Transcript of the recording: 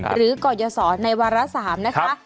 หรือก่อยยอสอในวารสามนะคะ